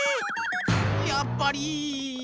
やっぱり。